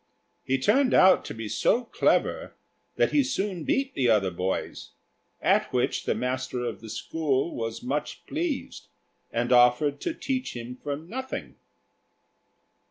He turned out to be so clever that he soon beat the other boys; at which the master of the school was much pleased, and offered to teach him for nothing.